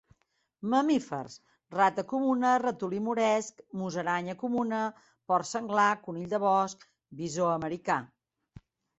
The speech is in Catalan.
Mamífers: rata comuna, ratolí moresc, musaranya comuna, porc senglar, conill de bosc, visó americà.